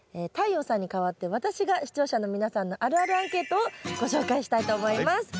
太陽さんに代わって私が視聴者の皆さんのあるあるアンケートをご紹介したいと思います。